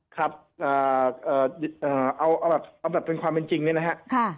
ครับเอาแบบเป็นความเป็นจริงเนี่ยนะฮะ